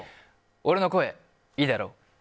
俺の声、いいだろ。